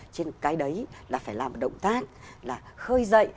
trên cái đấy là phải làm một động tác là khơi dậy